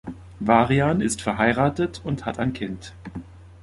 Varian ist verheiratet und hat ein Kind.